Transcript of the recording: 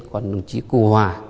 còn đồng chí cô hòa